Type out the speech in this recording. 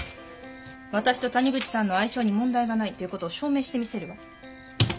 私と谷口さんの相性に問題がないということを証明してみせるわ。